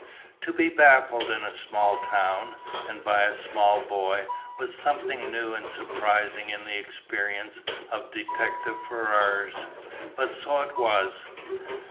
To be baffled in a small town, and by a small boy, was something new and surprising in the experience of detective Ferrars, but so it was.